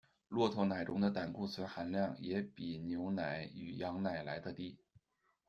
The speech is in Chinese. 骆驼奶中的胆固醇含量也比牛奶与羊奶来的低。